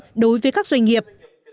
cùng đồng hành với các doanh nghiệp